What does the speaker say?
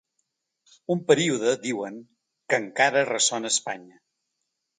Un període, diuen, “que encara ressona a Espanya”.